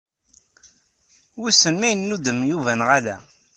Wissen ma inuddem Yuba neɣ ala.